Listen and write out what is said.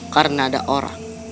karena ada orang